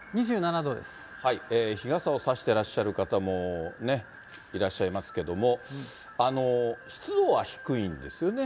日傘を差してらっしゃる方もね、いらっしゃいますけども、湿度は低いんですよね。